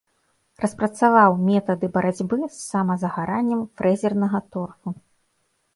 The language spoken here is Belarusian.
Распрацаваў метады барацьбы з самазагараннем фрэзернага торфу.